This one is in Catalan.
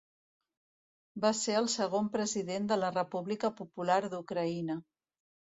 Va ser el segon President de la República Popular d'Ucraïna.